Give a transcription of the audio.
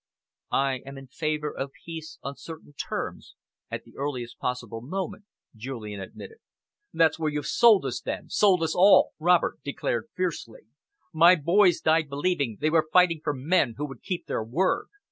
"I am in favour of peace on certain terms, at the earliest possible moment," Julian admitted. "That's where you've sold us, then sold us all!" Robert declared fiercely. "My boys died believing they were fighting for men who would keep their word.